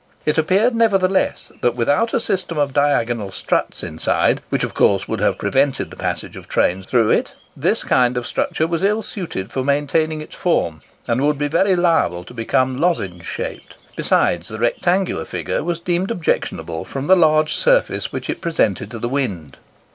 It appeared, nevertheless, that without a system of diagonal struts inside, which of course would have prevented the passage of trains through it, this kind of structure was ill suited for maintaining its form, and would be very liable to become lozenge shaped. Besides, the rectangular figure was deemed objectionable, from the large surface which it presented to the wind.